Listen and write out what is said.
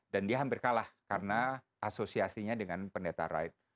dan dia hampir kalah karena asosiasinya dengan pendeta wright